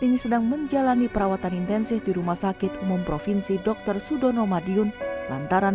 ini sedang menjalani perawatan intensif di rumah sakit umum provinsi dr sudono madiun lantaran